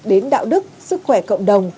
đến đạo đức sức khỏe cộng đồng